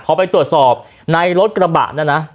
พอไปตรวจสอบในรถกระบะนะนะ